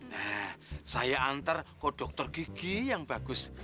nah saya antar ke dokter gigi yang bagus